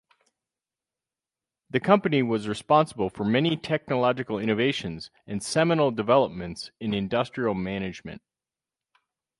The company was responsible for many technological innovations and seminal developments in industrial management.